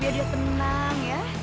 biar dia tenang ya